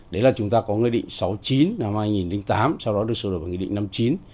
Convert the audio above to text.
đấy là chúng ta có nghị định sáu mươi chín năm hai nghìn tám sau đó được sửa đổi vào nghị định năm mươi chín